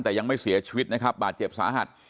แต่ยังไม่เสียชีวิตนะครับบาดเจ็บสาหัส